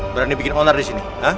berani bikin onar di sini